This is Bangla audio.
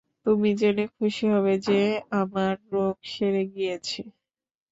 তুমি জেনে খুশী হবে যে, আমার রোগ সেরে গিয়েছে।